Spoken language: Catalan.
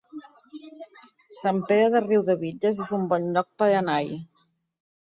Sant Pere de Riudebitlles es un bon lloc per anar-hi